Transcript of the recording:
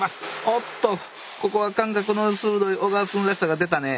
おっとここは感覚の鋭い小川くんらしさが出たね。